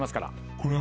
これは。